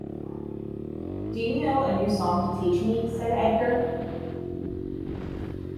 “Do you know a new song to teach me?” said Edgar.